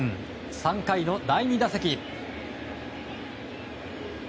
３回の第２打席。